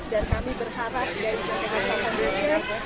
dan kami berharap dari ct arsa foundation